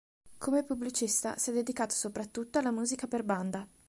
Come pubblicista, si è dedicato soprattutto alla musica per banda.